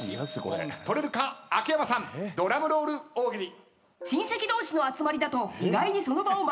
秋山さんドラムロール大喜利。